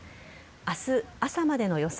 明日朝までの予想